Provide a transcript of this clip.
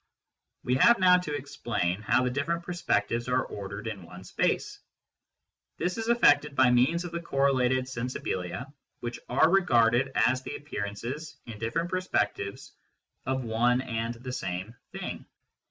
We have now to explain how the different perspectives are ordered in one space. This is effected by means of the correlated " sensibilia " which are regarded as the appear ances, in different perspectives, of one and the same thing.